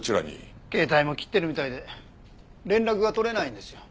携帯も切ってるみたいで連絡が取れないんですよ。